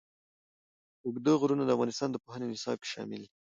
اوږده غرونه د افغانستان د پوهنې نصاب کې شامل دي.